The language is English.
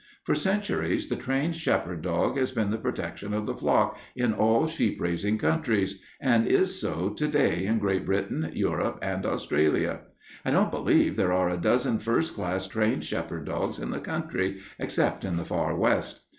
For centuries the trained shepherd dog has been the protection of the flock in all sheep raising countries, and is so to day in Great Britain, Europe, and Australia. I don't believe there are a dozen first class trained shepherd dogs in this country, except in the Far West.